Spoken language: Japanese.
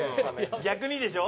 逆にでしょ？